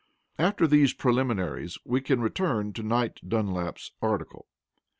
After these preliminaries, we can return to Knight Dunlap's article.